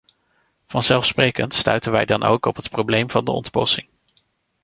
Vanzelfsprekend stuiten wij dan ook op het probleem van de ontbossing.